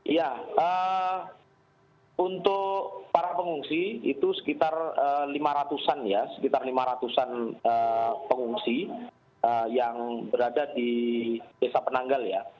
ya untuk para pengungsi itu sekitar lima ratusan ya sekitar lima ratusan pengungsi yang berada di desa penanggal ya